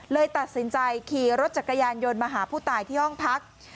เลยตัดสินใจขี่รถจักรยานยนต์มาหาผู้ตายที่ห้องพัก